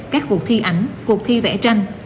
các cuộc thi ảnh cuộc thi vẽ tranh